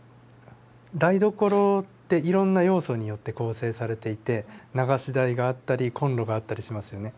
台所っていろんな要素によって構成されていて流し台があったりコンロがあったりしますよね。